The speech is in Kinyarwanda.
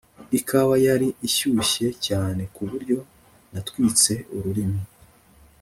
Ikawa yari ishyushye cyane kuburyo natwitse ururimi